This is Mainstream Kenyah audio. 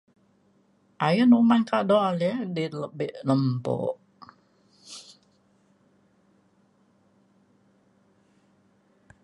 Ayen uman kado ale di lebek lempo